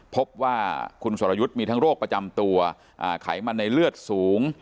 พบว่าคุณสรยุทธ์มีทั้งโรคประจำตัวไขมันในเลือดสูง